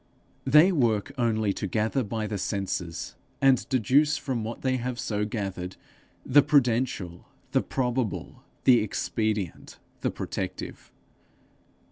They work only to gather by the senses, and deduce from what they have so gathered, the prudential, the probable, the expedient, the protective.